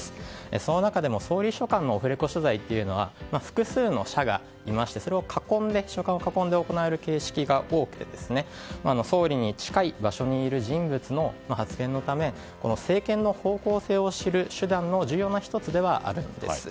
その中でも、総理秘書官のオフレコ取材というのは複数の社がいましてそれが秘書官を囲んで行われる形式が多くて総理に近い場所にいる人物の発言のため政権の方向性を知る手段の重要な１つではあるんです。